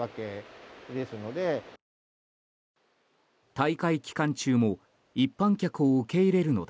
大会期間中も一般客を受け入れるので